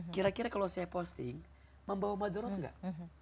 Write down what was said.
kira kira kalau saya posting membawa madorot gak